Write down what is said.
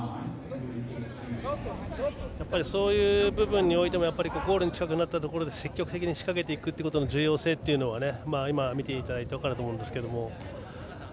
そういう部分においてもゴールに近くなったところで積極的に仕掛けていくことの重要性というのは今見ていただいても分かると思いますが。